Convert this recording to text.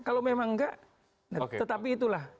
kalau memang enggak tetapi itulah